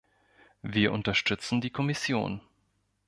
Wir unterstützen die Kommission.